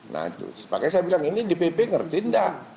nah itu makanya saya bilang ini dpp ngerti enggak